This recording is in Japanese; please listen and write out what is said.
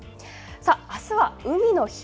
さあ、あすは海の日。